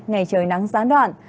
ngày trời nắng gián đoạn